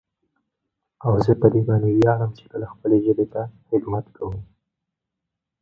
استاد وویل چې عدالت فلسفه د الغزالي له نظریو پیل شوه.